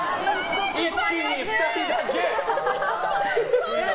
一気に２人だけ！